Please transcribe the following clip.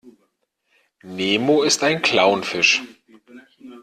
Nemo ist ein Clownfisch.